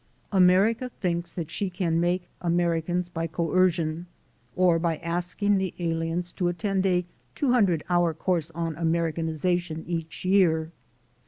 America thinks that she can make Americans by coercion or by asking the aliens to attend a two hundred hour course on Americaniza tion each year.